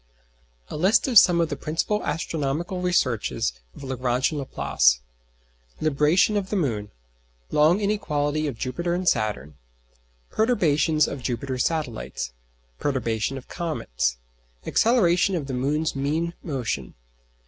A list of some of the principal astronomical researches of Lagrange and Laplace: Libration of the moon. Long inequality of Jupiter and Saturn. Perturbations of Jupiter's satellites. Perturbations of comets. Acceleration of the moon's mean motion.